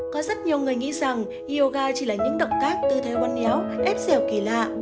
có rất nhiều người nghĩ rằng yoga chỉ là những động tác tư thế quân héo ép dẻo kỳ lạ